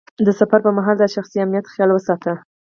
د سفر پر مهال د شخصي امنیت خیال وساته.